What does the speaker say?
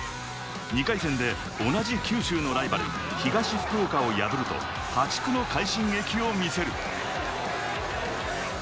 ２回戦で同じ九州のライバル・東福岡を破ると、破竹の快進撃を見せる。